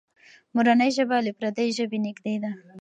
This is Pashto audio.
مورنۍ ژبه له پردۍ ژبې نږدې ده.